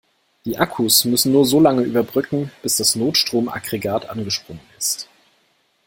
Die Akkus müssen nur so lange überbrücken, bis das Notstromaggregat angesprungen ist.